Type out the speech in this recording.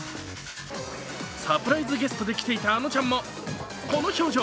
サプライズゲストで来ていたあのちゃんもこの表情。